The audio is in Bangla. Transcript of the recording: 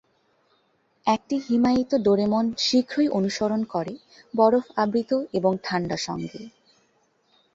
একটি হিমায়িত ডোরেমন শীঘ্রই অনুসরণ করে, বরফ আবৃত এবং ঠাণ্ডা সঙ্গে।